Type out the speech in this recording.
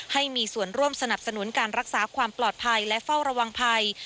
ให้มีส่วนร่วมสนับสนุนการรักษาความปลอดภัยและเฝ้าระวังภัย